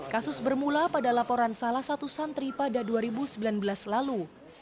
kasus bermula pada laporan salah satu santri pada dua ribu sembilan belas lalu